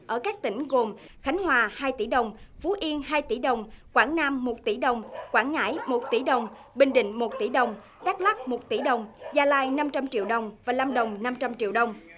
ở các tỉnh gồm khánh hòa hai tỷ đồng phú yên hai tỷ đồng quảng nam một tỷ đồng quảng ngãi một tỷ đồng bình định một tỷ đồng đắk lắc một tỷ đồng gia lai năm trăm linh triệu đồng và lâm đồng năm trăm linh triệu đồng